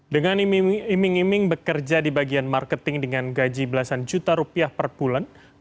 dengan iming iming bekerja di bagian marketing dengan gaji belasan juta rupiah per bulan